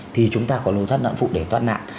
thì chúng ta có lối thoát nạn phụ để thoát nạn